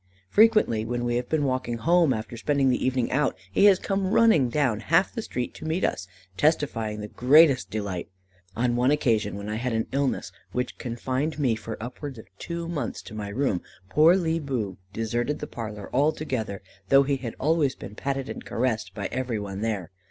Frequently, when we have been walking home, after spending the evening out, he has come running down half the street to meet us, testifying the greatest delight. On one occasion, when I had an illness, which confined me for upwards of two months to my room, poor Lee Boo deserted the parlour altogether, though he had been always patted and caressed by every one there.